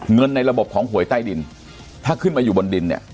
เงินในระบบของหวยใต้ดินถ้าขึ้นมาอยู่บนดินเนี่ย